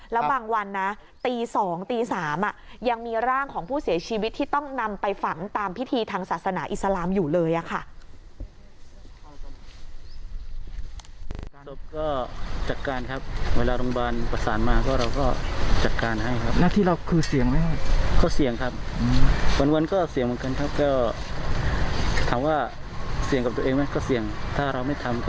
แล้วบางวันนะตี๒ตี๓ยังมีร่างของผู้เสียชีวิตที่ต้องนำไปฝังตามพิธีทางศาสนาอิสลามอยู่เลยค่ะ